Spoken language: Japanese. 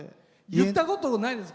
言ったことないです。